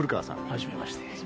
はじめまして。